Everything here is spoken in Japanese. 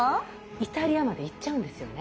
イタリアまで行っちゃうんですよね。